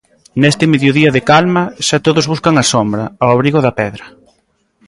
Neste mediodía de calma, xa todos buscan a sombra, ao abrigo da pedra.